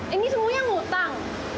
ini semuanya ngutang